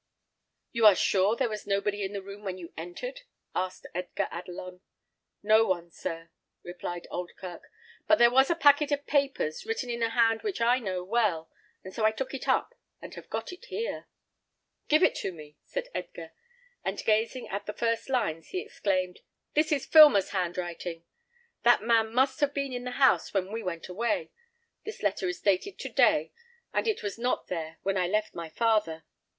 "You are sure there was nobody in the room when you entered?" asked Edgar Adelon. "No one, sir," replied Oldkirk; "but there was a packet of papers, written in a hand which I know well, and so I took it up, and have got it here." "Give it to me," said Edgar; and gazing at the first lines he exclaimed, "This is Filmer's handwriting. That man must have been in the house when we went away. This letter is dated to day, and it was not there when I left my father.